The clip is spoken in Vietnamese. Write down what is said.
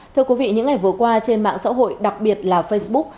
thưa quý vị những ngày vừa qua trên mạng xã hội đặc biệt là facebook